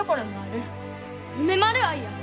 梅丸愛や。